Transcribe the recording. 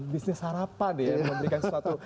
bisnis harapan ya memberikan sesuatu